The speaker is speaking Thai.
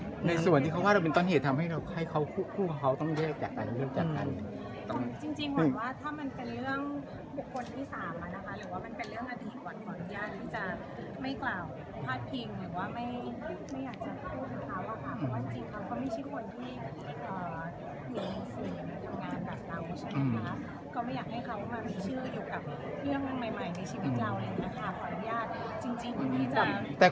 ในส่วนที่เขาว่าเราเป็นต้นเหตุทำให้เราให้เขาคู่กับเขาต้องแยกจากการเรื่องจัดการ